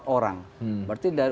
dua empat orang berarti